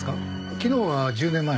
昨日は１０年前の事を。